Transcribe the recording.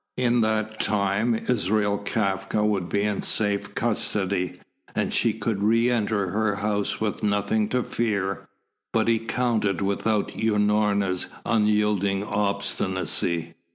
In that time Israel Kafka would be in safe custody, and she could re enter her house with nothing to fear. But he counted without Unorna's unyielding obstinacy.